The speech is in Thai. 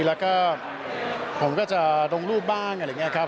แล้วก็ผมก็จะลงรูปบ้างอะไรอย่างนี้ครับ